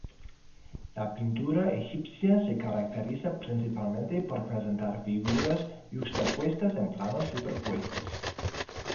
La pintura egipcia se caracteriza principalmente por presentar figuras yuxtapuestas en planos superpuestos.